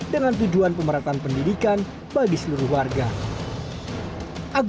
dengan tujuan pemerataan pendidikan bagi seluruh warga